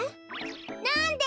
なんで？